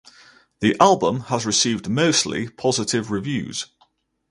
The album has received mostly positive reviews.